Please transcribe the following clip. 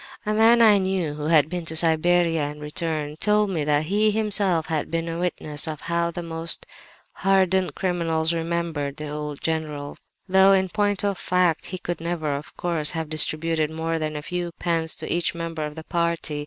"'A man I knew who had been to Siberia and returned, told me that he himself had been a witness of how the very most hardened criminals remembered the old general, though, in point of fact, he could never, of course, have distributed more than a few pence to each member of a party.